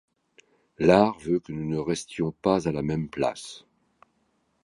L'art veut que nous ne restions pas à la même place.